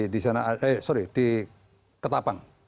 di sana eh sorry di ketapang